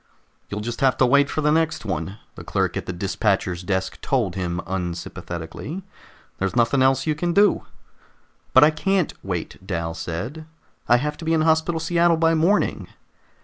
"You'll just have to wait for the next one," the clerk at the dispatcher's desk told him unsympathetically. "There's nothing else you can do." "But I can't wait," Dal said. "I have to be in Hospital Seattle by morning."